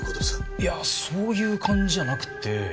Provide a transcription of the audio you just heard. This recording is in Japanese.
いやそういう感じじゃなくって。